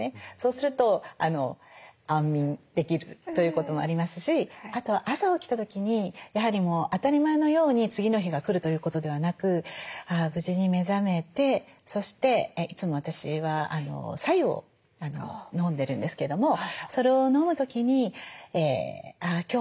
そうすると安眠できるということもありますしあとは朝起きた時にやはりもう当たり前のように次の日が来るということではなくあ無事に目覚めてそしていつも私は白湯を飲んでるんですけどもそれを飲む時にあ